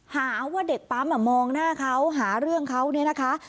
หาว่าเด็กปั๊มมองหน้าเขาหาเรื่องเขาเนี่ยนะคะ